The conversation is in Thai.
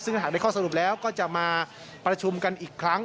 ซึ่งหากได้ข้อสรุปแล้วก็จะมาประชุมกันอีกครั้ง